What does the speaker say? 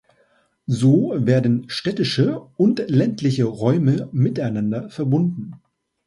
So werden städtische und ländliche Räume miteinander verbunden.